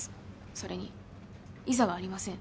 それに「いざ」はありません